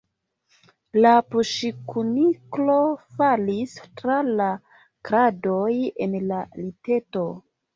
La pluŝkuniklo falis tra la kradoj el la liteto.